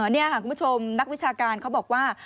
นี่ค่ะคุณผู้ชมนักวิชาการเขาบอกว่า